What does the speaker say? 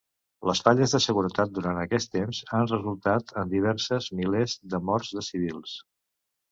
Les falles de seguretat durant aquest temps han resultat en diverses milers de morts de civils.